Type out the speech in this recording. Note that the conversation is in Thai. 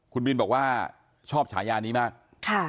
คุณบินบอกว่าชอบฉายานี้มาก